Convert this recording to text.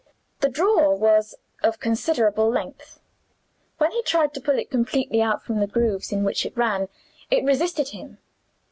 The drawer was of considerable length. When he tried to pull it completely out from the grooves in which it ran, it resisted him.